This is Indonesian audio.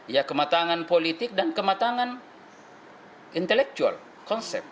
ya kematangan politik dan kematangan intelektual konsep